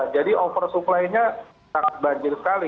oversupply nya sangat banjir sekali